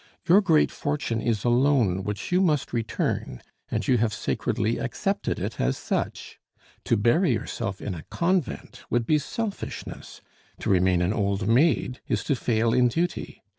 Your great fortune is a loan which you must return, and you have sacredly accepted it as such. To bury yourself in a convent would be selfishness; to remain an old maid is to fail in duty.